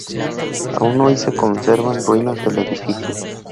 Aún hoy se conservan ruinas del edificio.